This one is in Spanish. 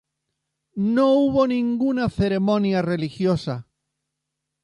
No hubo ninguna ceremonia religiosa.